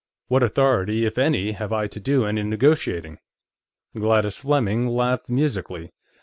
What authority, if any, have I to do any negotiating?" Gladys Fleming laughed musically.